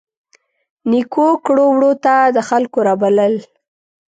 نیکو کړو وړو ته د خلکو رابلل.